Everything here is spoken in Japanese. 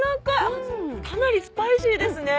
あっかなりスパイシーですね。